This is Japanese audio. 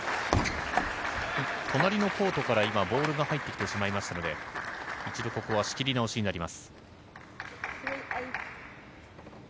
隣のコートから今ボールが入ってきてしまいましたので一度、ここは仕切り直しになります。